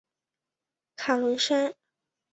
卡伦山。